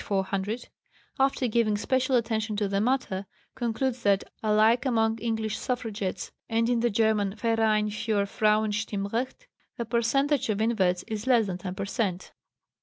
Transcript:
500), after giving special attention to the matter, concludes that, alike among English suffragettes and in the German Verein für Frauenstimmrecht, the percentage of inverts is less than 10 per cent.